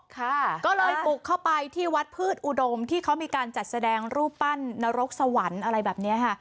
ค่ะก็เลยบุกเข้าไปที่วัดพืชอุดมที่เขามีการจัดแสดงรูปปั้นนรกสวรรค์อะไรแบบนี้ค่ะ